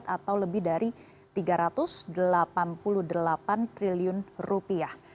atau lebih dari tiga ratus delapan puluh delapan triliun rupiah